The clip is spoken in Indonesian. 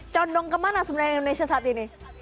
condong kemana sebenarnya indonesia saat ini